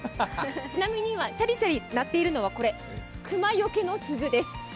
ちなみに今、チャリチャリ鳴っているのは熊よけの鈴です。